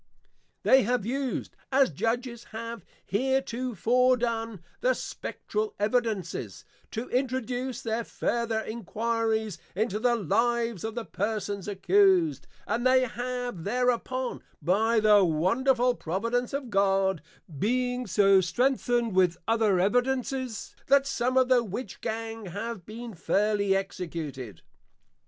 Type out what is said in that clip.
_ They have used, as Judges have heretofore done, the Spectral Evidences, to introduce their further Enquiries into the Lives of the persons accused; and they have thereupon, by the wonderful Providence of God, been so strengthened with other evidences, that some of the Witch Gang have been fairly Executed.